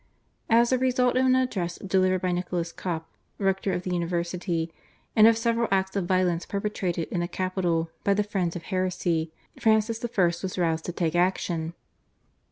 As a result of an address delivered by Nicholas Cop, rector of the university, and of several acts of violence perpetrated in the capital by the friends of heresy Francis I. was roused to take action.